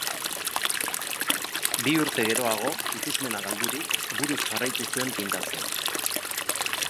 Bi urte geroago, ikusmena galdurik, buruz jarraitu zuen pintatzen.